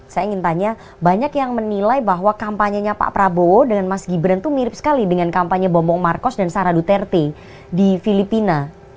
saya ingin tanya banyak yang menilai bahwa kampanyenya pak prabowo dengan mas gibran itu mirip sekali dengan kampanye bom markos dan sarah duterte di filipina